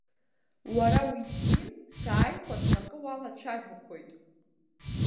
Уара уиҭин, сааихәан ҳәа акы уалацәажәақәоит.